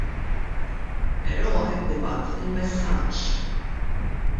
Però qed nibgħat il-messaġġ.